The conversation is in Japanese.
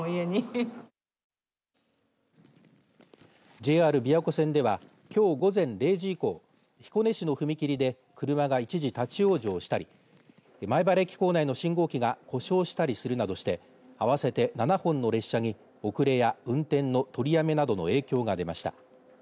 ＪＲ琵琶湖線ではきょう午前０時以降彦根市の踏切で車が一時、立往生したり米原駅構内の信号機が故障したりするなどして合わせて７本の列車に遅れや運転の取りやめなどの影響が出ました。